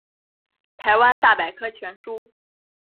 台湾大百科全书